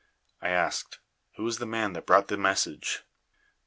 I asked: "Who was the man that brought the message?"